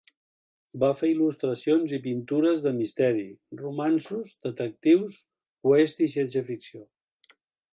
Va fer il·lustracions i pintures de misteri, romanços, detectius, oest i ciència ficció.